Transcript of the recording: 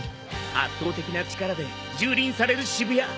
圧倒的な力でじゅうりんされる渋谷。